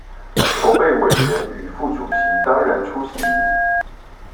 籌備委員與副主席當然出席